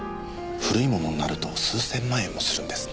古いものになると数千万円もするんです。